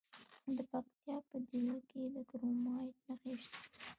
د پکتیکا په دیله کې د کرومایټ نښې شته.